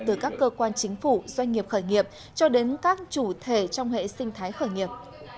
từ các cơ quan chính phủ doanh nghiệp khởi nghiệp cho đến các chủ thể trong hệ sinh thái khởi nghiệp